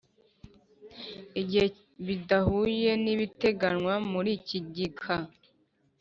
igihe bidahuye n'ibiteganywa muri iki gika